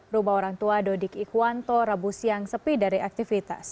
rumah orang tua dodik ikhwanto rabu siang sepi dari aktivitas